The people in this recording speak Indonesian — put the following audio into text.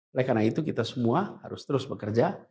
oleh karena itu kita semua harus terus bekerja